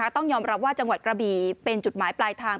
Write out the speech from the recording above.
ต้องยอมรับว่าจังหวัดกระบีเป็นจุดหมายปลายทาง